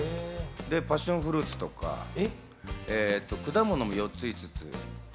パッションフルーツとか、果物も４つ、５つ。